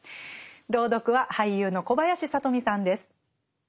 朗読は俳優の小林聡美さんです。